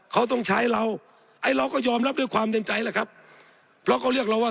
เขาต้องใช้เราไอ้เราก็ยอมรับด้วยความเต็มใจแหละครับเพราะเขาเรียกเราว่า